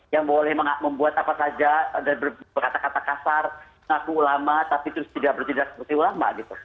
yang boleh membuat apa saja dan berkata kata kasar ngaku ulama tapi terus tidak bertindak seperti ulama gitu